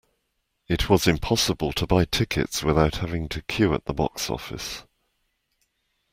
It was impossible to buy tickets without having to queue at the box office